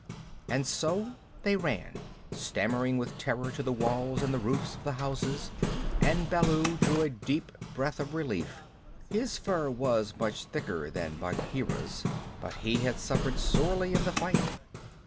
And so they ran, stammering with terror, to the walls and the roofs of the houses, and Baloo drew a deep breath of relief. His fur was much thicker than Bagheera's, but he had suffered sorely in the fight.